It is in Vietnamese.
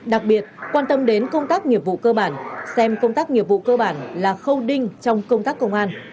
đặc biệt quan tâm đến công tác nghiệp vụ cơ bản xem công tác nghiệp vụ cơ bản là khâu đinh trong công tác công an